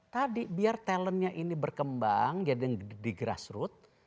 tadi biar talentnya ini berkembang jadi di grassroot